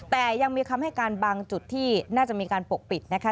แต่ยังมีคำให้การบางจุดที่น่าจะมีการปกปิดนะคะ